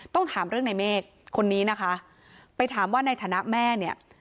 ต้องถามเรื่องในเมฆคนนี้นะคะไปถามว่าในฐานะแม่เนี่ย